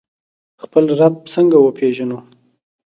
خپل رب څنګه وپیژنو؟